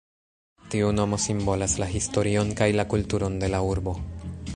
Tiu nomo simbolas la historion kaj la kulturon de la urbo.